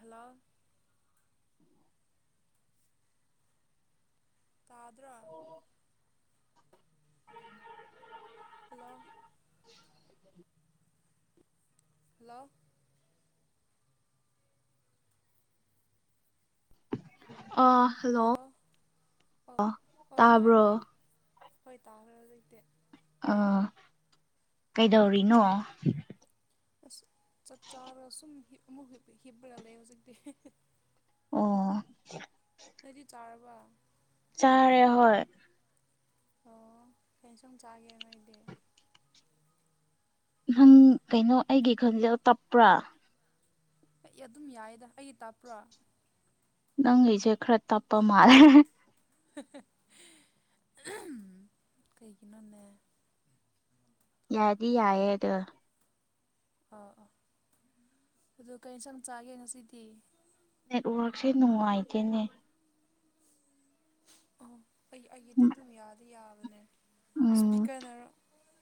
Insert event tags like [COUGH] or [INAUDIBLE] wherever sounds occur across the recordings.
Hello ꯇꯥꯗꯔꯣ hello hello ꯑꯣ hello ꯍꯣꯏ ꯍꯣꯏ ꯇꯥꯏ ꯇꯥꯕ꯭ꯔꯣ ꯇꯥꯏ ꯍꯣꯏ ꯇꯥꯈ꯭ꯔꯦ ꯍꯧꯖꯤꯛꯇꯤ ꯑꯥ ꯀꯩꯗꯧꯔꯤꯅꯣ ꯑꯁ ꯆꯥꯛ ꯆꯥꯔꯒ ꯁꯨꯝ ꯑꯃꯨꯛ ꯍꯤꯞꯄ ꯂꯩ ꯍꯧꯖꯤꯛꯇꯤ ꯑꯣ ꯅꯣꯏꯗꯤ ꯆꯥꯔꯕ ꯆꯥꯔꯦ ꯍꯣꯏ ꯑꯣ ꯀꯩ ꯏꯟꯖꯥꯡ ꯆꯥꯒꯦ ꯅꯣꯏꯗꯤ ꯅꯪ ꯀꯩꯅꯣ ꯑꯩꯒꯤ ꯈꯟꯖꯦꯜ ꯇꯞꯄ꯭ꯔ ꯑꯩ ꯑꯗꯨꯝ ꯌꯥꯏꯗ ꯑꯩ ꯇꯞꯄ꯭ꯔꯣ ꯅꯪꯒꯤꯁꯦ ꯈꯔ ꯇꯞꯄ ꯃꯥꯜꯂꯦ ꯀꯩꯒꯤꯅꯣꯅꯦ ꯌꯥꯗꯤ ꯌꯥꯏꯌꯦ ꯑꯗꯨ ꯑꯣ ꯑꯣ ꯑꯗꯨ ꯀꯔꯤ ꯏꯟꯖꯥꯡ ꯆꯥꯒꯦ ꯉꯁꯤꯗꯤ ꯅꯦꯠꯋꯥꯔꯛꯁꯦ ꯅꯨꯡꯉꯥꯏꯇꯦꯅꯦ ꯑꯣ ꯑꯩ ꯑꯩꯒꯤꯗꯤ ꯑꯗꯨꯝ ꯌꯥꯗꯤ ꯌꯥꯕꯅꯦ ꯎꯝ ꯏꯁꯄꯤꯀꯔꯅ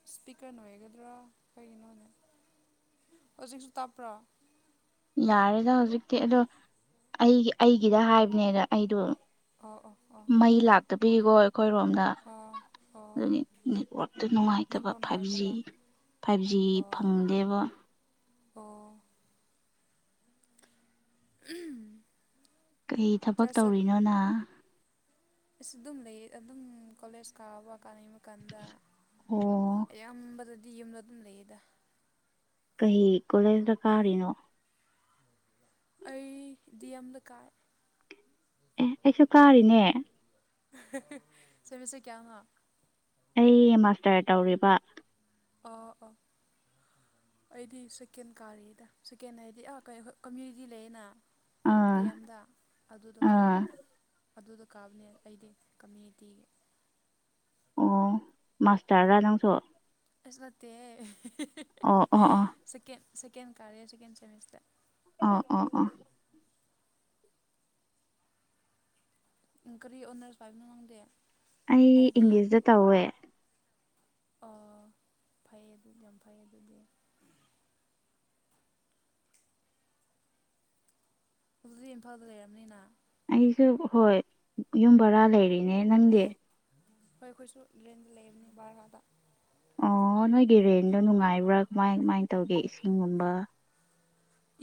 ꯏꯁꯄꯤꯀꯔꯅ ꯑꯣꯏꯒꯗ꯭ꯔ ꯀꯩꯒꯤꯅꯣꯅꯦ ꯍꯧꯖꯤꯛꯁꯨ ꯇꯞꯄ꯭ꯔ ꯌꯥꯔꯦꯗ ꯍꯧꯖꯤꯛꯇꯤ ꯑꯗꯣ ꯑꯩꯒꯤ ꯑꯩꯒꯤꯗ ꯍꯥꯏꯕꯅꯦꯗ ꯑꯩꯗꯣ ꯑꯣ ꯑꯣ ꯑꯣ ꯃꯩ ꯂꯥꯛꯇꯕꯤꯀꯣ ꯑꯩꯈꯣꯏꯔꯣꯝꯗ ꯑꯣ ꯑꯣ ꯑꯗꯨꯒꯤ ꯅꯦꯠꯋꯥꯔꯛꯇꯣ ꯅꯨꯡꯉꯥꯏꯇꯕ ꯅꯦꯠꯋꯥꯛ ꯐꯥꯏꯚ ꯖꯤ ꯅꯨꯡꯉꯥꯏꯇꯕ ꯐꯥꯏꯚ ꯖꯤ ꯑꯣ ꯐꯪꯗꯦꯕ ꯑꯣ ꯀꯩ ꯊꯕꯛ ꯇꯧꯔꯤꯅꯣ ꯅꯪ ꯑꯩꯁꯨ ꯑꯗꯨꯝ ꯂꯩ ꯑꯗꯨꯝ ꯀꯣꯂꯦꯖ ꯀꯥꯕ ꯀꯥꯟꯅꯤꯡꯕ ꯀꯥꯟꯗ ꯑꯣ ꯑꯌꯥꯝꯕꯗꯗꯤ ꯌꯨꯝꯗ ꯑꯗꯨꯝ ꯂꯩꯌꯦꯗ ꯀꯩ ꯀꯣꯂꯦꯖꯇ ꯀꯥꯔꯤꯅꯣ ꯑꯩ ꯗꯤ ꯑꯦꯝꯗ ꯀꯥꯏ ꯑꯦ ꯑꯩꯁꯨ ꯀꯥꯔꯤꯅꯦ ꯁꯦꯃꯤꯁꯇꯔ ꯀꯌꯥꯅꯣ ꯑꯩ ꯃꯥꯁꯇꯔ ꯇꯧꯔꯤꯕ ꯑꯣ ꯑꯣ ꯑꯩꯗꯤ ꯁꯦꯀꯦꯟ ꯀꯥꯔꯤꯗ ꯁꯦꯀꯦꯟ ꯍꯥꯏꯗꯤ ꯑꯥ ꯀꯃꯌꯨꯅꯤꯇꯤ ꯂꯩꯗꯅ ꯗꯤ ꯑꯥ ꯑꯦꯝꯗ ꯑꯗꯨꯗꯣ ꯑꯥ ꯀꯥꯕ ꯑꯗꯨꯗꯣ ꯀꯥꯕꯅꯦ ꯑꯩꯗꯤ ꯀꯝꯃꯌꯨꯅꯤꯇꯤꯒꯤ ꯑꯣ ꯃꯁꯇꯔ ꯅꯪꯁꯨ ꯑꯁ ꯅꯠꯇꯦꯍꯦ ꯑꯣ ꯑꯣ ꯑꯣ ꯁꯦꯀꯦꯟ ꯁꯦꯀꯦꯟ ꯀꯥꯔꯦ ꯁꯦꯀꯦꯟ ꯁꯦꯃꯤꯁꯇꯔ ꯑ ꯑ ꯑ ꯎꯝ ꯀꯔꯤ ꯑꯣꯅꯔꯁ ꯄꯥꯏꯕꯅꯣ ꯅꯪꯗꯦ ꯑꯩ ꯏꯪꯂꯤꯁꯇ ꯇꯧꯋꯦ ꯑꯣ ꯐꯩ ꯑꯗꯨꯗꯤ ꯌꯥꯝ ꯐꯩ ꯑꯗꯨꯗꯤ ꯑꯗꯨꯗꯤ ꯏꯝꯐꯥꯜꯗ ꯂꯩꯔꯝꯃꯅꯤꯅꯥ ꯑꯩꯁꯨ ꯍꯣꯏ ꯌꯨꯝ ꯕꯔꯥ ꯂꯩꯔꯤꯅꯦ ꯅꯪꯗꯤ ꯍꯣꯏ ꯑꯩꯈꯣꯏꯁꯨ ꯔꯦꯟꯗ ꯂꯩꯕꯅꯤ ꯕꯔꯥꯗꯥ ꯑꯣ ꯅꯣꯏꯒꯤ ꯔꯦꯟꯗꯣ ꯅꯨꯡꯉꯥꯏꯕ꯭ꯔꯥ ꯀꯃꯥꯏ ꯀꯃꯥꯏꯂ ꯇꯧꯒꯦ ꯏꯁꯤꯡꯒꯨꯝꯕ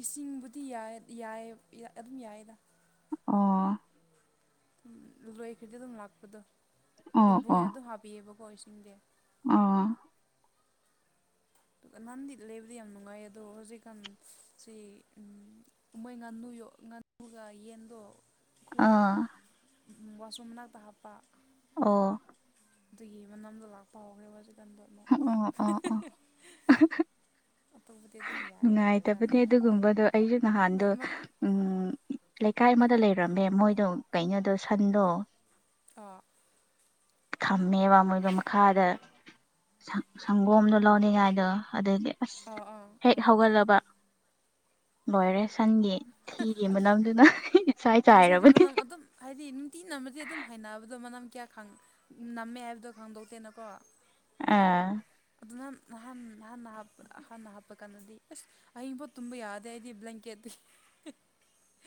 ꯏꯁꯤꯡꯕꯨꯗꯤ ꯌꯥꯏ ꯌꯥꯏ ꯌꯥꯏ ꯑꯗꯨꯝ ꯌꯥꯏꯌꯦꯗꯥ ꯑꯣ ꯎꯝ ꯂꯣꯏꯈ꯭ꯔꯗꯤ ꯑꯗꯨꯝ ꯂꯥꯛꯄꯗꯣ ꯑꯣ ꯌꯨꯝꯕꯨꯈꯩꯅ ꯑꯗꯨꯝ ꯍꯥꯞꯄꯤꯌꯦꯕꯀꯣ ꯏꯁꯤꯡꯗꯤ ꯑꯥ ꯇꯨꯒ ꯅꯍꯥꯟꯗꯤ ꯂꯩꯕꯗꯤ ꯌꯥꯝ ꯅꯨꯡꯉꯥꯏ ꯑꯗꯣ ꯍꯧꯖꯤꯛꯀꯥꯟ ꯁꯤ ꯎꯝ ꯃꯣꯏ ꯉꯥꯅꯨ ꯌꯣ ꯉꯥꯅꯨꯒ ꯌꯦꯟꯗꯣ ꯈꯣꯏ ꯑꯥ ꯋꯥꯁꯔꯨꯝ ꯃꯅꯥꯛꯇ ꯍꯥꯞꯄ ꯑꯣ ꯑꯗꯨꯒꯤ ꯃꯅꯝꯗꯣ ꯂꯥꯛꯄ ꯍꯧꯒ꯭ꯔꯦꯕ ꯍꯧꯖꯤꯛꯀꯥꯟꯗꯣ ꯑꯃꯨ ꯑꯗꯨ ꯑꯣ ꯑꯣ ꯑꯣ ꯑꯇꯣꯞꯄꯗꯤ ꯑꯗꯨꯝ ꯌꯥꯏ ꯍꯥꯏꯕ ꯇꯥꯔꯦ ꯅꯨꯡꯉꯥꯏꯇꯕꯅꯦ ꯑꯗꯨꯒꯨꯝꯕꯗꯣ ꯑꯩꯁꯨ ꯍꯣꯏ ꯅꯍꯥꯟꯗꯣ ꯎꯝ ꯂꯩꯀꯥꯏ ꯑꯃꯗ ꯂꯩꯔꯝꯃꯦ ꯃꯣꯏꯗꯣ ꯀꯩꯅꯣꯗꯣ ꯁꯟꯗꯣ ꯑꯥ ꯊꯝꯃꯦꯕ ꯃꯣꯏꯗꯣ ꯃꯈꯥꯗ ꯁꯪ ꯁꯪꯒꯣꯝꯗꯣ ꯂꯧꯅꯤꯡꯉꯥꯏꯗꯣ ꯑꯗꯨꯒꯤ ꯑꯁ ꯑꯣ ꯑꯥ ꯑ ꯍꯦꯛ ꯍꯧꯒꯠꯂꯕ ꯂꯣꯏꯔꯦ ꯁꯟꯒꯤ ꯊꯤꯒꯤ ꯃꯅꯝꯗꯨꯅ ꯏꯁꯥꯏ ꯍꯧꯖꯤꯛꯇꯤ ꯆꯥꯏꯔꯕꯅꯤ ꯃꯅꯝ ꯑꯗꯨꯝ ꯍꯥꯏꯗꯤ ꯅꯨꯡꯇꯤ ꯅꯝꯃꯗꯤ ꯑꯗꯨꯝ ꯍꯩꯅꯕꯗꯣ ꯃꯅꯝ ꯀꯌꯥ ꯈꯪ ꯅꯝꯃꯦ ꯍꯥꯏꯕꯗꯣ ꯈꯪꯗꯣꯛꯇꯦꯅꯀꯣ ꯑ ꯑꯗꯨꯅ ꯅꯍꯥꯟ ꯍꯥꯟꯅ ꯍꯥꯄ ꯍꯥꯟꯅ ꯍꯥꯞꯄ ꯀꯥꯟꯗꯗꯤ ꯑꯁ ꯑꯍꯤꯡꯕꯣꯛ ꯇꯨꯝꯕ ꯌꯥꯗꯦ ꯑꯩꯗꯤ ꯕ꯭ꯂꯦꯡꯀꯦꯠꯇꯤ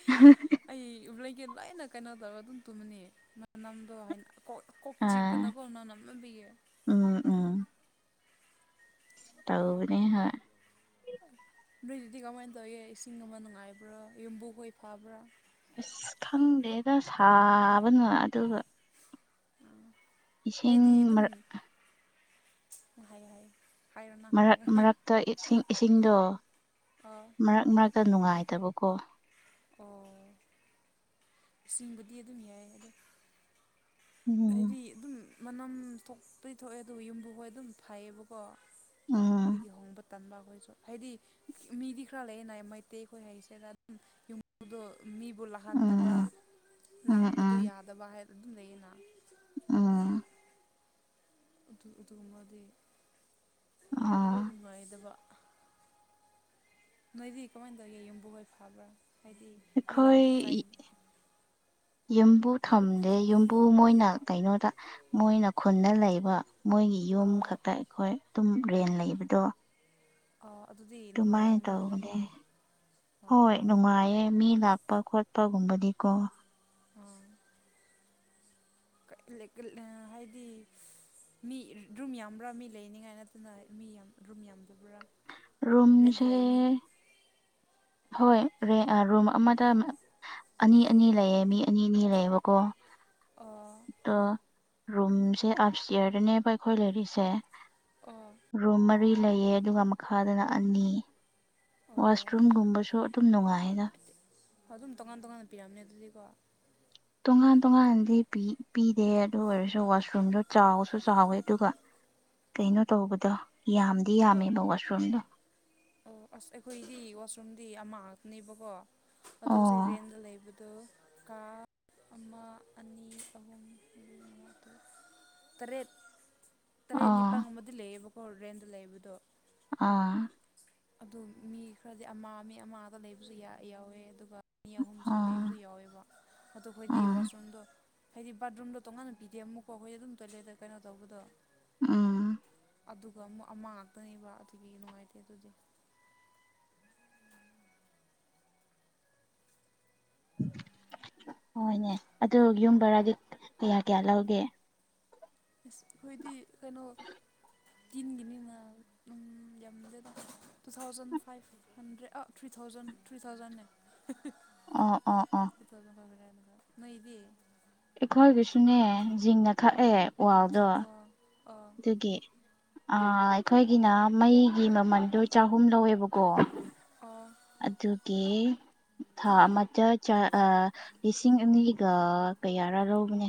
[UNINTELLIGIBLE] ꯑꯩ ꯕ꯭ꯂꯦꯡꯀꯦꯠ ꯂꯣꯏꯅ ꯀꯩꯅꯣ ꯇꯧꯔꯒ ꯑꯗꯨꯝ ꯇꯨꯝꯃꯅꯤ ꯃꯅꯝꯗꯣ ꯍꯩꯅ ꯀꯣ ꯀꯣꯛ ꯑꯥ ꯆꯤꯛꯄꯅꯀꯣ ꯅꯅꯝ ꯃꯅꯝ ꯅꯝꯕꯤꯒꯤ ꯎꯝ ꯎꯝ ꯇꯧꯕꯅꯦ ꯍꯣꯏ ꯅꯣꯏꯗꯨꯗꯤ ꯀꯃꯥꯏꯟ ꯇꯧꯌꯦ ꯏꯁꯤꯡ ꯑꯃ ꯅꯨꯡꯉꯥꯏꯕ꯭ꯔꯥ ꯌꯨꯝꯕꯨ ꯍꯣꯏ ꯐꯕ꯭ꯔꯥ ꯑꯁ ꯈꯪꯗꯦꯗ ꯁꯥꯕꯅ ꯑꯗꯨꯒ ꯑ ꯏꯁꯤꯡ ꯑꯩꯗꯤ ꯑꯗꯨꯝ ꯄꯨꯡꯍꯥꯏ ꯍꯥꯏ ꯃꯔꯛ ꯃꯔꯛꯇ ꯏꯁꯤꯡ ꯏꯁꯤꯡꯗꯣ ꯑꯥ ꯃꯔꯛ ꯃꯔꯛꯇ ꯅꯨꯡꯉꯥꯏꯇꯕꯀꯣ ꯑꯣ ꯏꯁꯤꯡꯕꯨꯗꯤ ꯑꯗꯨꯝ ꯌꯥꯏ ꯑꯗꯣ ꯎꯝ ꯍꯥꯏꯗꯤ ꯑꯗꯨꯝ ꯃꯅꯝ ꯊꯣꯛꯇꯤ ꯊꯣꯛꯑꯦ ꯑꯗꯨꯒ ꯌꯨꯝꯕꯨ ꯍꯣꯏ ꯑꯗꯨꯝ ꯐꯩꯌꯦꯕꯀꯣ ꯎꯝ ꯀꯔꯤꯒꯤ ꯍꯣꯡꯕ ꯇꯟꯕ ꯑꯩꯈꯣꯏꯁꯨ ꯍꯥꯏꯗꯤ ꯃꯤꯗꯤ ꯈꯔ ꯂꯩꯌꯦ ꯅꯥꯏ ꯃꯩꯇꯩ ꯈꯣꯏ ꯍꯩꯁꯦꯗ ꯑꯗꯨꯝ ꯌꯨꯝ ꯗꯣ ꯃꯤꯕꯨ ꯂꯥꯛꯍꯟꯗꯕ ꯎꯝ ꯎꯝ ꯂꯪꯕꯗꯣ ꯎꯝ ꯌꯥꯗꯕ ꯍꯥꯏ ꯑꯗꯨꯝ ꯂꯩꯌꯦꯅ ꯎꯝ ꯑꯗꯨ ꯑꯗꯨꯒꯨꯝꯕꯗꯤ ꯑꯣ ꯅꯨꯡꯉꯥꯏꯇꯕ ꯅꯣꯏꯗꯤ ꯀꯃꯥꯏꯅ ꯇꯧꯒꯦ ꯌꯨꯝꯕꯨ ꯍꯣꯏ ꯐꯥꯕ꯭ꯔꯥ ꯍꯥꯏꯗꯤ ꯃꯤ ꯑꯩꯈꯣꯏ ꯂꯥꯛꯑꯁꯨ ꯆꯥꯏ ꯌꯨꯝ ꯕꯨ ꯊꯝꯗꯦ ꯌꯨꯝꯕꯨ ꯃꯣꯏꯅ ꯀꯩꯅꯣꯗ ꯃꯣꯏꯅ ꯈꯨꯟꯗ ꯂꯩꯕ ꯃꯣꯏꯒꯤ ꯌꯨꯝ ꯑꯥ ꯈꯛꯇ ꯑꯩꯈꯣꯏ ꯑꯗꯨꯝ ꯔꯦꯟ ꯂꯩꯕꯗꯣ ꯑꯣ ꯑꯗꯨꯗꯤ ꯑꯗꯨꯃꯥꯏꯅ ꯅꯨꯡꯉꯥꯏꯔꯝꯅꯤꯅ ꯇꯧꯕꯅꯦ ꯅꯣꯏꯁꯨ ꯑꯣ ꯍꯣꯏ ꯅꯨꯡꯉꯥꯏꯌꯦ ꯃꯤ ꯂꯥꯛꯄ ꯈꯣꯠꯄꯒꯨꯝꯕꯗꯤꯀꯣ꯫ ꯑꯥ [UNINTELLIGIBLE] ꯍꯥꯥꯏꯗꯤ ꯃꯤ ꯔꯨꯝ ꯌꯥꯝꯕ꯭ꯔꯥ ꯃꯤ ꯂꯩꯅꯤꯉꯥꯏ ꯅꯠꯇꯅ ꯃꯤ ꯌꯥꯝ ꯔꯨꯝ ꯌꯥꯝꯗꯕ꯭ꯔꯥ꯫ ꯔꯦꯟꯗ ꯔꯨꯝꯁꯦ ꯂꯩ ꯃꯤ ꯍꯣꯏ ꯔꯦ ꯔꯨꯝ ꯑꯃꯗ ꯑꯅꯤ ꯑꯅꯤ ꯂꯩꯌꯦ ꯃꯤ ꯑꯅꯤ ꯑꯅꯤ ꯂꯩꯌꯦꯕꯀꯣ ꯑꯣ ꯑꯗꯣ ꯔꯨꯝꯁꯦ ꯑꯞ ꯁꯇꯤꯌꯔꯗꯅꯦꯕ ꯑꯩꯈꯣꯏ ꯂꯩꯔꯤꯁꯦ ꯑꯣ ꯔꯨꯝ ꯃꯔꯤ ꯂꯩꯌꯦ ꯑꯗꯨꯒ ꯃꯈꯥꯗꯅ ꯑꯅꯤ꯫ ꯑꯣ ꯋꯥꯁꯔꯨꯝꯒꯨꯝꯕꯁꯨ ꯑꯗꯨꯝ ꯅꯨꯡꯉꯥꯏꯌꯦꯗ ꯑꯗꯨꯝ ꯇꯣꯉꯥꯟ ꯇꯣꯉꯥꯟꯅ ꯄꯤꯔꯝꯅꯦ ꯑꯗꯨꯗꯤꯀꯣ ꯇꯣꯉꯥꯟ ꯇꯣꯉꯥꯟꯗꯤ ꯄꯤ ꯄꯤꯗꯦ ꯑꯗꯨ ꯑꯣꯏꯔꯁꯨ ꯋꯥꯁꯔꯨꯝꯗꯣ ꯆꯥꯎꯁꯨ ꯆꯥꯎꯋꯦ ꯑꯗꯨꯒ ꯀꯩꯅꯣ ꯇꯧꯕꯗꯣ ꯌꯥꯝꯗꯤ ꯑꯣ ꯌꯥꯝꯃꯦꯕ ꯋꯥꯁꯔꯨꯝꯗꯣ꯫ ꯑꯣ ꯑꯁ ꯑꯩꯈꯣꯏꯗꯤ ꯋꯥꯁꯔꯨꯝꯗꯤ ꯑꯃ ꯉꯥꯛꯇꯅꯦꯕꯀꯣ ꯑꯗꯣ ꯍꯧꯖꯤꯛ ꯑꯣ ꯔꯦꯟꯗ ꯂꯩꯕꯗ ꯗꯨ ꯀꯥ ꯑꯃ ꯑꯅꯤ ꯑꯍꯨꯝ ꯃꯔꯤ ꯃꯉꯥ ꯇꯔꯨꯛ ꯇꯔꯦꯠ ꯇꯔꯦꯠ ꯑꯥ ꯅꯤꯄꯜꯒꯨꯝꯕꯗꯤ ꯂꯩꯌꯦꯕꯀꯣ ꯔꯦꯟꯗ ꯂꯩꯕꯗꯣ ꯑꯥ ꯑꯗꯨ ꯃꯤ ꯈꯔꯗꯤ ꯑꯃ ꯃꯤ ꯑꯃꯗ ꯂꯩꯕꯁꯨ ꯌꯥ ꯌꯥꯎꯋꯦ ꯑꯗꯨꯒ ꯃꯤ ꯑꯍꯨꯝꯁꯨ ꯂꯩꯕꯁꯨ ꯑꯥ ꯌꯥꯎꯋꯦꯕ ꯑꯗꯨ ꯑꯩꯈꯣꯏꯗꯤ ꯋꯥꯁꯔꯨꯝꯗꯣ ꯍꯥꯏꯗꯤ ꯕꯥꯠꯔꯨꯝꯗꯣ ꯇꯣꯉꯥꯟꯅ ꯄꯤꯗꯦ ꯑꯃꯨꯛꯀ ꯑꯩꯈꯣꯏ ꯑꯗꯨꯝ ꯇꯣꯏꯂꯦꯠꯇ ꯀꯩꯅꯣ ꯇꯧꯕꯗꯣ ꯎꯝ ꯑꯗꯨꯒ ꯑꯃꯨ ꯑꯃ ꯉꯥꯛꯇꯅꯦꯕ ꯑꯗꯨꯒꯤ ꯅꯨꯡꯉꯥꯏꯇꯦ ꯑꯗꯨꯗꯤ ꯍꯣꯏꯅꯦ ꯑꯗꯨ ꯌꯨꯝꯕꯔꯗꯤ ꯀꯌꯥ ꯀꯌꯥ ꯂꯧꯒꯦ? ꯑꯁ ꯑꯩꯈꯣꯏꯗꯤ ꯀꯩꯅꯣ ꯇꯤꯟꯒꯤꯅꯤ ꯎꯝ ꯌꯥꯝꯗꯦꯗ ꯇꯨ ꯊꯥꯎꯖꯟ ꯐꯥꯏꯚ ꯍꯟꯗ꯭ꯔꯦꯠ ꯑ ꯊ꯭ꯔꯤ ꯊꯥꯎꯖꯟ ꯊ꯭ꯔꯤ ꯊꯥꯎꯖꯟꯅꯦ ꯑꯣ ꯑꯣ ꯑꯣ [UNINTELLIGIBLE] ꯅꯣꯏꯗꯤ ꯑꯩꯈꯣꯏꯒꯤꯁꯨꯅꯦ ꯖꯤꯡꯒ ꯈꯛꯑꯦ ꯋꯥꯜꯗꯣ꯫ ꯑꯣꯑꯣ ꯗꯨꯒꯤ ꯑ ꯑꯩꯈꯣꯏꯒꯤꯅ ꯃꯩꯒꯤ ꯃꯃꯜꯗꯣ ꯆꯍꯨꯝ ꯂꯧꯋꯦ ꯕꯀꯣ ꯑꯣ ꯑꯗꯨꯒꯤ ꯊꯥ ꯑꯃꯗ ꯆ ꯑ ꯂꯤꯁꯤꯡ ꯑꯅꯤꯒ ꯀꯌꯥꯔꯥ ꯂꯧꯕꯅꯦ꯫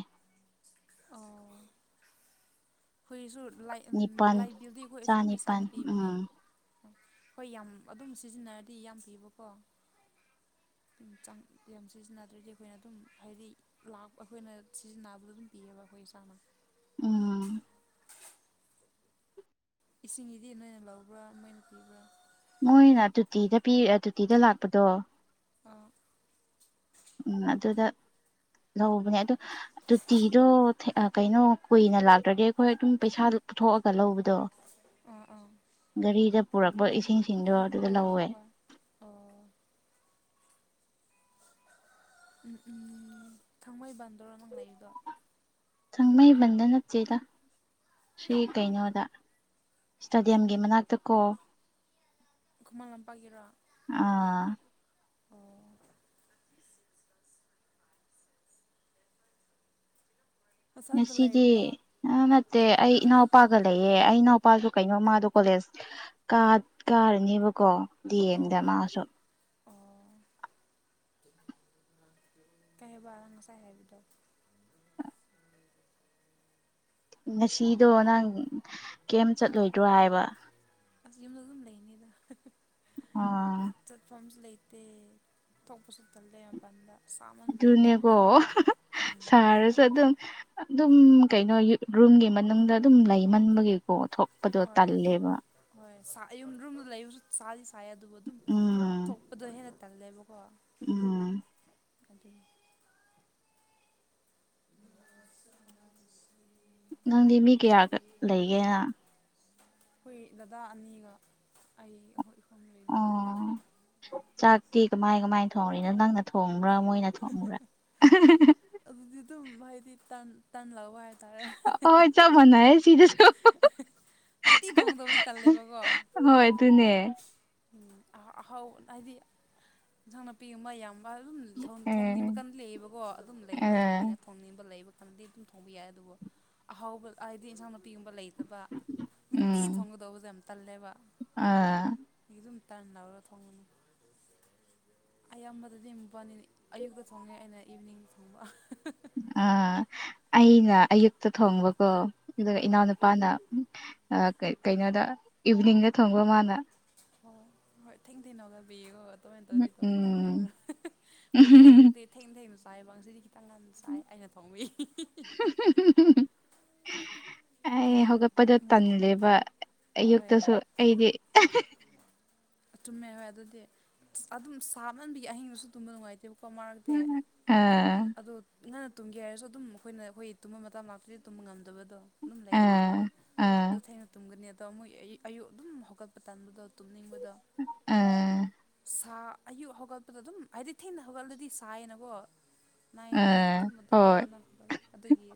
ꯑꯣ ꯑꯈꯣꯏꯁꯨ ꯂꯥꯏ ꯎꯝ ꯅꯤꯄꯥꯜ ꯂꯥꯏꯕꯤꯜꯗꯤ ꯑꯈꯣꯏ ꯑꯗꯨꯝ ꯆꯥꯅꯤꯄꯥꯜ ꯏꯁꯥꯅ ꯄꯤꯕꯅꯦ ꯎꯝ ꯍꯣꯏ ꯌꯥꯝ ꯑꯗꯨꯝ ꯁꯤꯖꯤꯟꯅꯔꯗꯤ ꯌꯥꯝ ꯄꯤꯕꯀꯣ ꯌꯥꯝ ꯁꯤꯖꯤꯟꯅꯗ꯭ꯔꯗꯤ ꯑꯈꯣꯏꯅ ꯑꯗꯨꯝ ꯍꯥꯏꯗꯤ ꯂꯥꯛ ꯑꯩꯈꯣꯏꯅ ꯁꯤꯖꯤꯟꯅꯕꯗ ꯑꯗꯨꯝ ꯄꯤꯌꯦꯕ ꯑꯈꯣꯏ ꯏꯁꯥꯅ ꯎꯝ ꯏꯁꯤꯡꯗꯤ ꯅꯣꯏꯅ ꯂꯧꯕ꯭ꯔꯥ ꯃꯣꯏꯅ ꯄꯤꯕ꯭ꯔꯥ ꯃꯣꯏꯅ ꯇꯨꯇꯤꯗ ꯄꯤ ꯇꯨꯇꯤꯗ ꯂꯥꯛꯄꯗꯣ ꯑꯥ ꯎꯝ ꯑꯗꯨꯗ ꯂꯧꯕꯅꯦ ꯑꯗꯨ ꯇꯣꯇꯤꯗꯣ ꯀꯩꯅꯣ ꯀꯨꯏꯅ ꯂꯥꯛꯇ꯭ꯔꯗꯤ ꯑꯩꯈꯣꯏ ꯑꯗꯨꯝ ꯄꯩꯁꯥ ꯄꯨꯊꯣꯛꯑꯒ ꯂꯧꯕ ꯗꯣ ꯑꯥ ꯑꯥ ꯒꯥꯔꯤꯗ ꯄꯨꯔꯛꯄ ꯏꯁꯤꯡꯁꯤꯡꯗꯣ ꯑꯗꯨꯗ ꯑꯥ ꯂꯧꯋꯦ ꯍꯣꯏ ꯑꯣ ꯎꯝ ꯎꯝ ꯊꯥꯡꯃꯩꯕꯟꯗꯣꯔꯣ ꯅꯪ ꯂꯩꯕꯗꯣ ꯊꯥꯡꯃꯩꯕꯟꯗ ꯅꯠꯇꯦꯗ ꯁꯤ ꯀꯩꯅꯣꯗ ꯏꯁꯇꯦꯗꯤꯌꯝꯒꯤ ꯃꯅꯥꯛꯇ ꯀꯣ ꯈꯨꯃꯥꯡ ꯂꯝꯄꯥꯛꯒꯤꯔꯣ ꯑꯥ ꯑꯣ ꯅꯁꯥꯗ ꯉꯁꯤꯗꯤ ꯂꯩꯕ꯭ꯔꯥ ꯑ ꯅꯠꯇꯦ ꯑꯩ ꯏꯅꯥꯎꯄꯥꯒ ꯂꯩꯌꯦ ꯑꯩ ꯏꯅꯥꯎꯄꯥꯁꯨ ꯀꯩꯅꯣ ꯃꯥꯗꯣ ꯀꯣꯂꯦꯖ ꯀꯥ ꯀꯥꯔꯅꯦꯕꯀꯣ ꯗꯤ ꯑꯣ ꯑꯦꯝꯗ ꯑꯣ ꯃꯥꯁꯨ ꯑꯣ ꯀꯩ ꯍꯥꯏꯕ ꯉꯁꯥꯏ ꯍꯥꯏꯕꯗꯣ ꯉꯁꯤꯗꯣ ꯅꯪ ꯀꯩꯝ ꯆꯠꯂꯣꯏꯗ꯭ꯔꯣ ꯍꯥꯏꯕ ꯑꯁ ꯌꯨꯝꯗ ꯑꯗꯨꯝ ꯂꯩꯅꯤꯗ ꯑꯥ ꯆꯠꯐꯝꯁꯨ ꯂꯩꯇꯦ ꯊꯣꯛꯄꯁꯨ ꯇꯜꯂꯦ ꯃꯄꯥꯟꯗ ꯁꯥꯃꯟꯕꯤꯒꯤꯀꯣ ꯑꯗꯨꯅꯦꯀꯣ ꯎꯝ ꯁꯥꯔꯁꯨ ꯑꯗꯨꯝ ꯑꯗꯨꯝ ꯀꯩꯅꯣ ꯔꯨꯝꯒꯤ ꯃꯅꯨꯡꯗ ꯑꯗꯨꯝ ꯂꯩꯃꯟꯕꯒꯤꯀꯣ ꯊꯣꯛ ꯍꯣꯏ ꯍꯣꯏ ꯁꯥ ꯌꯨꯝꯔꯨꯝꯗ ꯂꯩꯕꯁꯨ ꯁꯥꯗꯤ ꯁꯥꯏ ꯑꯗꯨꯕꯨ ꯑꯗꯨꯝ ꯎꯝ ꯊꯣꯞꯄꯗ ꯍꯦꯟꯅ ꯇꯜꯂꯦꯕꯀꯣ ꯎꯝ ꯑꯗꯤ ꯅꯪꯗꯤ ꯃꯤ ꯀꯌꯥꯒ ꯂꯩꯒꯦꯅ ꯑꯈꯣꯏ ꯗꯗꯥ ꯑꯅꯤꯒ ꯑꯩ ꯑꯈꯣꯏ ꯏꯍꯨꯝ ꯂꯩꯔꯤ ꯑꯣ ꯆꯥꯛꯇꯤ ꯀꯃꯥꯏ ꯀꯃꯥꯏꯟ ꯊꯣꯡꯔꯤꯅꯣ ꯅꯪꯅ ꯊꯣꯡꯕ꯭ꯔꯥ ꯃꯣꯏꯅ ꯊꯣꯡꯕ꯭ꯔꯥ ꯑꯗꯨꯗꯤ ꯑꯗꯨꯝ ꯍꯥꯏꯗꯤ ꯇꯟ ꯇꯟꯂꯧꯕ ꯍꯥꯏꯕ ꯍꯣꯏ ꯆꯞ ꯃꯅꯩꯌꯦ ꯁꯤꯗꯁꯨ ꯅꯨꯡꯇꯤ ꯊꯣꯡꯗꯕꯨꯗꯤ ꯇꯜꯂꯦꯕꯀꯣ ꯍꯣꯏ ꯑꯗꯨꯅꯦ ꯎ ꯑꯍꯥ ꯑꯍꯥꯎ ꯍꯥꯏꯗꯤ ꯏꯟꯁꯥꯡ ꯅꯥꯄꯤꯒꯨꯝꯕ ꯌꯥꯝ ꯃꯥ ꯑꯗꯨꯝ ꯊꯣ ꯊꯣꯡꯅꯤꯡꯕ ꯎꯝ ꯀꯟ ꯂꯩꯌꯦꯕꯀꯣ ꯑꯗꯨꯝ ꯑ ꯂꯩꯕ ꯊꯣꯡꯅꯤꯡꯉ ꯊꯣꯡꯅꯤꯡꯕ ꯂꯩꯕ ꯀꯥꯟꯗꯤ ꯑꯗꯨꯝ ꯊꯣꯡꯕ ꯌꯥꯏ ꯑꯗꯨꯕꯨ ꯑꯍꯥꯎꯕ ꯍꯥꯏꯗꯤ ꯏꯟꯁꯥꯡ ꯅꯥꯄꯤꯒꯨꯝꯕ ꯂꯩꯇꯕ ꯅꯨꯡꯇꯤꯒꯤ ꯎꯝ ꯊꯣꯡꯒꯗꯧꯕꯁꯦ ꯌꯥꯝ ꯇꯜꯂꯦꯕ ꯑꯥ ꯃꯤ ꯑꯗꯨꯝ ꯇꯥꯟ ꯂꯧꯔ ꯊꯣꯡꯕꯅꯤ ꯫ ꯑꯩ ꯌꯥꯝꯕꯗꯗꯤ ꯃꯕꯥꯅꯤ ꯑꯌꯨꯛꯇ ꯊꯣꯡꯉꯦ ꯑꯩꯅ ꯏꯚꯅꯤꯡ ꯊꯣꯡꯕ ꯫ ꯑꯥ ꯑꯩꯅ ꯑꯌꯨꯛꯇ ꯊꯣꯡꯕꯀꯣ ꯑꯗꯨꯒ ꯑꯥ ꯏꯅꯥꯎꯅꯨꯄꯥꯅ ꯑꯥ ꯀꯩ ꯀꯩꯅꯣꯗ ꯏꯚꯅꯤꯡꯗ ꯊꯣꯡꯕ ꯃꯥꯅ ꯫ ꯍꯣꯏ ꯍꯣꯏ ꯊꯦꯡ ꯊ‌ꯦꯡꯅ ꯍꯧꯒꯠꯄꯒꯤꯀ‌ꯣ ꯑꯗꯨꯃꯥꯏꯅ ꯇꯧꯗꯤ ꯇꯧꯕ ꯌꯥꯎꯕꯅꯦ ꯎꯝ ꯑꯗꯨꯅ ꯈ‌ꯣꯏꯗꯤ ꯑꯌꯨꯛꯇꯤ ꯊꯦꯡ ꯊꯦꯡꯅ ꯆꯥꯏꯕ ꯉꯁꯤꯗꯤ ꯈꯤꯇꯪ ꯉꯟꯅ ꯆꯥꯏ ꯑꯩꯅ ꯊꯣꯡꯕꯒꯤ ꯫ [UNINTELLIGIBLE] ꯄꯨꯡ ꯑꯩ ꯍꯧꯒꯠꯄꯗꯨ ꯃꯣꯏ ꯇꯜꯂꯦꯕ ꯍꯣꯏ ꯑꯌꯨꯛꯇꯁꯨ ꯑꯩꯗꯤ ꯫ ꯆꯨꯝꯃꯦ ꯍꯣꯏ ꯑꯗꯨꯗꯤ ꯑꯗꯨꯝ ꯁꯥꯃꯟꯕꯤ ꯑꯍꯤꯡꯗꯁꯨ ꯇꯨꯝꯕ ꯅꯨꯡꯉꯥꯏꯇꯦꯕ ꯫ ꯀ‌ꯣ ꯃꯔꯛꯇꯦ ꯑꯥ ꯑꯗꯨ ꯅꯟꯅ ꯇꯨꯝꯒꯦ ꯍꯥꯏꯔꯁꯨ ꯑꯗꯨꯝ ꯑꯩꯈꯣꯏꯅ ꯑꯩꯈꯣꯏ ꯇꯨꯝꯕ ꯃꯇꯝ ꯂꯥꯛꯇ꯭ꯔꯥꯗꯤ ꯇꯨꯝꯕ ꯉꯝꯗꯕꯗꯣ ꯫ ꯗꯨꯝ ꯂꯩꯌꯦꯅ ꯑꯥ ꯑꯥ ꯗꯨ ꯊꯦꯡꯅ ꯇꯨꯝꯒꯅꯤ ꯑꯗꯣ ꯃꯣꯏ ꯑꯌꯨꯛ ꯑꯗꯨꯝ ꯍꯧꯒꯠ ꯄ ꯇꯟꯕꯗꯣ ꯇꯨꯝꯅꯤꯡꯕꯗꯣ ꯫ ꯑꯥ ꯁꯥ ꯑꯌꯨꯛ ꯍꯧꯒꯠꯄꯗ ꯑꯗꯨꯝ ꯍꯥꯏꯗꯤ ꯊꯦꯡꯅ ꯍꯧꯒꯠꯂꯗꯤ ꯁꯥꯏꯌꯦꯅꯀꯣ ꯫ ꯅꯥꯏ ꯅꯥꯏ ꯑꯥ ꯑꯗꯨꯝ ꯑꯗꯨ ꯉꯝꯕ ꯍꯣꯏ ꯀꯥꯟꯗ ꯍꯧꯅꯠꯂ‌ꯦ ꯑꯗꯨꯒꯤ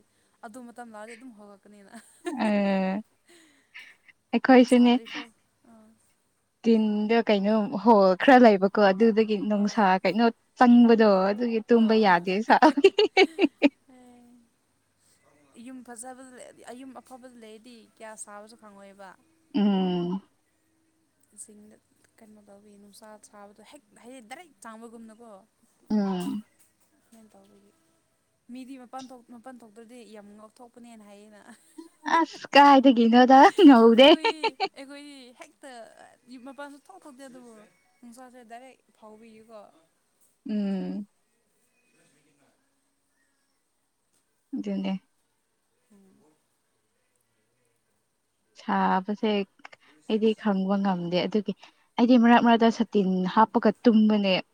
ꯑꯗꯨ ꯃꯇꯝ ꯂꯥꯛꯔꯗꯤ ꯑꯗꯨꯝ ꯍꯧꯒꯠ ꯄꯅꯦꯅ ꯑꯥ ꯑꯩꯈꯣꯏꯁꯨꯅꯦ ꯁꯥꯗ꯭ꯔꯤ ꯐꯥꯎ ꯑꯥ ꯇꯤꯟꯗ ꯀꯩꯅꯣ ꯍꯣꯜ ꯈꯔ ꯂꯩꯕꯀꯣ ꯑꯗꯨꯗꯒꯤ ꯑꯣ ꯅꯨꯡꯁꯥ ꯀꯩꯅꯣ ꯆꯪꯕꯗꯣ ꯑꯗꯨꯒꯤ ꯇꯨꯝꯕ ꯌꯥꯗꯦ ꯁꯥꯕꯒꯤ ꯫ ꯑ‌ꯦ ꯌꯨꯝ ꯐꯖꯕꯗ ꯂꯩꯔꯗꯤ ꯑꯩ ꯌꯨꯝ ꯑꯐꯕꯗ ꯂꯩꯔꯗꯤ ꯀꯌꯥ ꯁꯥꯥꯕꯁꯨ ꯈꯪꯉꯣꯏꯕ ꯫ ꯎꯝ ꯁꯤꯡꯗ ꯀꯩꯅꯣ ꯇꯧꯕꯒꯤ ꯅꯨꯡꯁꯥ ꯁꯥꯥꯕꯗꯣ ꯍꯦꯛ ꯍꯩ ꯗꯥꯏꯔꯦꯛ ꯆꯥꯡꯕꯒꯨꯝꯅꯀꯣ ꯫ ꯎꯝ ꯗꯨꯃꯥꯏꯅ ꯇꯧꯕꯒꯤ ꯃꯤꯗꯤ ꯃꯄꯥꯟ ꯊꯣꯛ ꯃꯄꯥꯟ ꯊꯣꯛꯇ꯭ꯔꯥꯗꯤ ꯌꯥꯝ ꯉꯧꯊꯣꯛꯄꯅꯦꯅ ꯍꯥꯏꯌꯦꯅ ꯫ ꯑꯁ ꯀꯥꯏꯗꯒꯤꯅꯣꯗ ꯫ ꯑꯩꯈꯣꯏꯗꯤ ꯑꯩꯈꯣꯏꯗꯤ ꯍꯦꯛꯇ ꯃꯄꯥꯟ ꯁꯨꯛꯊꯣꯛ ꯊꯣꯛꯇꯦ ꯑꯗꯨꯕꯨ ꯅꯨꯡꯁꯥꯁꯦ ꯗꯥꯏꯔꯦꯛ ꯐꯥꯎꯕꯤꯒꯤꯀꯣ ꯎꯝ [UNINTELLIGIBLE] ꯑꯗꯨꯅꯦ ꯎꯝ ꯁꯥꯕꯁꯦ ꯑꯩꯗꯤ ꯈꯪꯕ ꯉꯝꯗꯦ ꯑꯗꯨꯒꯤ ꯫ ꯑꯩꯗꯤ ꯃꯔꯛ ꯃꯔꯛꯇ ꯁꯥꯇꯤꯟ ꯍꯥꯞꯄꯒ ꯇꯨꯝꯕꯅꯦ ꯫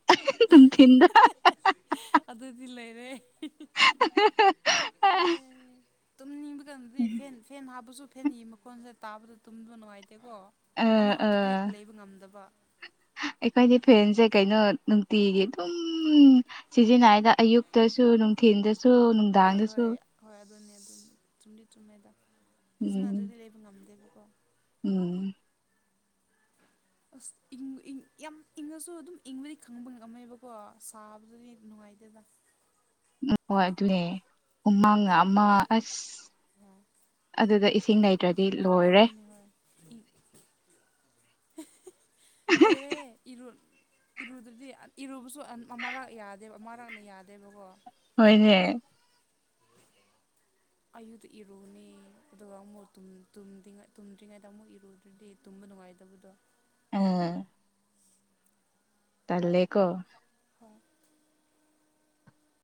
ꯑꯗꯨꯗꯤ ꯂꯩꯔꯦ ꯫ [UNINTELLIGIBLE] ꯑꯦ ꯇꯨꯝꯅꯤꯡꯕ ꯀꯩꯟꯗꯗꯤ ꯐꯦꯟ ꯐꯦꯟ ꯍꯥꯞꯄꯁꯨ ꯐꯦꯟꯒꯤ ꯃꯈꯣꯟꯁꯤ ꯇꯥꯕꯗꯨ ꯇꯨꯝꯕ ꯅꯨꯡꯉꯥꯏꯇꯦꯀꯣ ꯑ ꯫ ꯑꯃ ꯑ ꯍꯞꯇ꯭ꯔꯥꯗꯤ ꯂꯩꯕ ꯉꯝꯗꯕ ꯫ ꯑꯩꯈꯣꯏꯗꯤ ꯐꯦꯟꯁꯦ ꯀꯩꯅꯣ ꯅꯨꯡꯇꯤꯒꯤ ꯑꯗꯨꯝ ꯁꯤꯖꯤꯟꯅꯔꯒꯥ ꯑꯌꯨꯛꯇꯁꯨ ꯅꯨꯡꯊꯤꯟꯗꯁꯨ ꯅꯨꯡ ꯍꯣꯏ ꯍꯣꯏ ꯍꯣꯏ ꯑꯗꯨꯅꯦ ꯑꯗꯨꯅꯤ ꯆꯨꯝꯗꯤ ꯆꯨꯝꯃꯦꯗ ꯎꯝ ꯁꯤꯖꯤꯟꯅꯗ꯭ꯔꯥꯗꯤ ꯂꯩ ꯕꯉꯝꯗꯦꯕꯀꯣ ꯫ ꯎꯝ ꯑꯁ ꯏꯪ ꯏꯪ ꯌꯥꯝ ꯏꯪꯉꯁꯨ ꯑꯗꯨꯝ ꯏꯪꯕꯗꯤ ꯈꯪꯕ ꯉꯝꯃꯦꯕꯀꯣ ꯁꯥꯕꯗꯗꯤ ꯅꯨꯡꯉꯥꯏꯇꯦꯗ ꯫ ꯍꯣ ꯑꯗꯨꯅꯦ ꯎꯃꯥꯡꯅ ꯑꯃ ꯑꯁ ꯑ ꯑꯗꯨꯗ ꯏꯁꯤꯡ ꯂꯩ ꯇꯔꯥꯗꯤ ꯂꯣꯏ ꯑꯗꯨꯅꯤ ꯍꯣꯏ ꯂꯩꯔꯦ ꯏꯔꯨꯜ ꯏꯔꯨꯗꯔꯗꯤ ꯏꯔꯨꯕꯁꯨ ꯑꯃꯔꯛꯅ ꯌꯥꯗꯦꯕ ꯑꯃꯔꯛꯅ ꯌꯥꯗꯦꯕꯀꯣ ꯍꯣꯏꯅꯦ ꯑꯌꯨꯗ ꯏꯔꯨꯒꯅꯤ ꯑꯗꯨꯒ ꯑꯃꯨꯛ ꯇꯨꯝ ꯇꯨꯝꯗꯔꯤ ꯇꯨꯝꯗ꯭ꯔꯤꯉꯩꯗ ꯑꯃꯨꯛ ꯏꯔꯨꯗ꯭ꯔꯗꯤ ꯇꯨꯝꯕ ꯅꯨꯡꯉꯥꯏꯇꯕꯗꯣ ꯑ ꯇꯜꯂꯦꯀꯣ ꯑꯥ